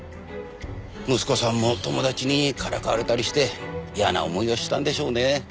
息子さんも友達にからかわれたりして嫌な思いをしたんでしょうね。